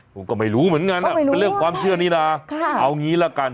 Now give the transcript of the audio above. ผมก็ไม่รู้เหมือนกันเป็นเรื่องความเชื่อนี้นะเอางี้ละกัน